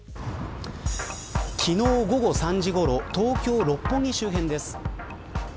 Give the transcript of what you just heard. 昨日午後３時ごろ東京、六本木周辺です。